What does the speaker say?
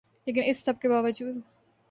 لیکن اس سب کے باوجود